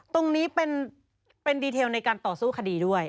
ตรงนี้เป็นดีเทลในการต่อสู้คดีด้วย